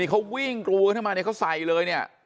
เขาวิ่งกรูเข้ามาเนี่ยเขาใส่เลยเนี่ย